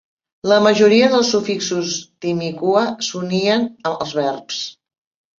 La majoria dels sufixos Timucua s'unien als verbs.